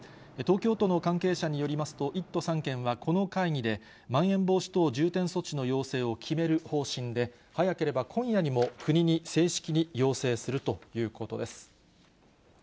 東京都の関係者によりますと、１都３県はこの会議で、まん延防止等重点措置の要請を決める方針で、早ければ今夜にも国に正式に要請するということです。